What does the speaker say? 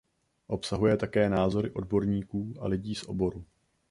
Obsahuje také názory odborníků a lidí z oboru.